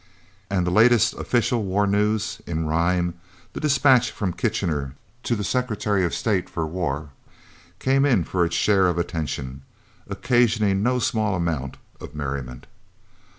And the latest official war news, in rhyme, the dispatch from Kitchener to the Secretary of State for War, came in for its share of attention, occasioning no small amount of merriment.